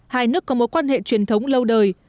hai nước có mối quan hệ truyền thống lâu đời